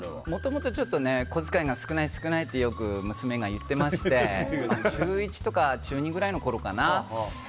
もともと、小遣いが少ないってよく娘が言ってまして中１とか中２ぐらいのころかな。